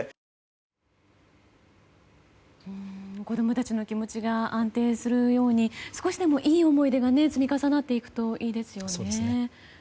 子供たちの気持ちが安定するように少しでもいい思い出が積み重なっていくといいですよね。